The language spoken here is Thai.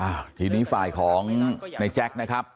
อ่าทีนี้ฝ่ายของในแจ๊คนะครับ